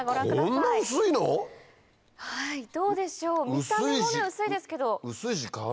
見た目も薄いですけど。